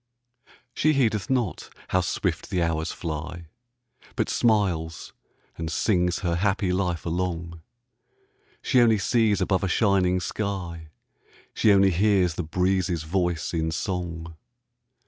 She heedeth not how swift the hours fly, But smiles and sings her happy life along; She only sees above a shining sky; She only hears the breezes' voice in song.